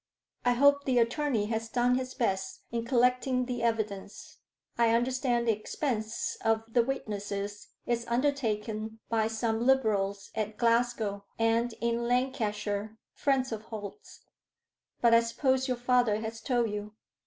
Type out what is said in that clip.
I hope the attorney has done his best in collecting the evidence: I understand the expense of the witnesses is undertaken by some Liberals at Glasgow and in Lancashire, friends of Holt's. But I suppose your father has told you."